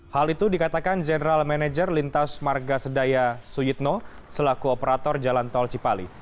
hal itu dikatakan general manager lintas marga sedaya suyitno selaku operator jalan tol cipali